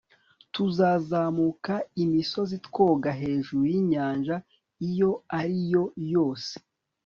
tuzazamuka imisozi twoga hejuru yinyanja iyo ari yo yose